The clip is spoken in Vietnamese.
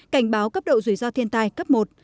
cảnh báo cấp độ rủi ro thiên tai cấp một